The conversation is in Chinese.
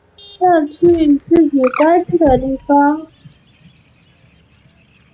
要去自己该去的地方